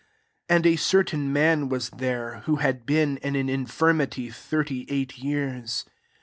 ]] 5 And a certain man was there, who had been in an infir mity thirty eight years.